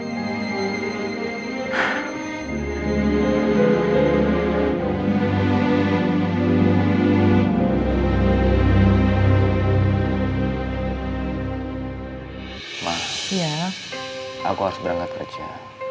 aku harus berangkat kerja